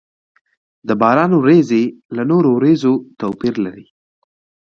د باران ورېځې له نورو ورېځو توپير لري.